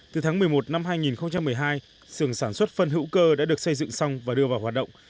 từ tháng một mươi một năm hai nghìn một mươi hai sườn sản xuất phân hữu cơ đã được xây dựng xong và đưa vào hoạt động